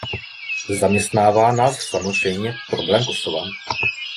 Zaměstnává nás samozřejmě problém Kosova.